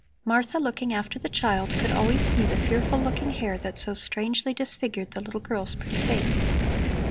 Martha, looking after the child, could always see the fearful looking hair that so strangely disfigured the little girl's pretty face.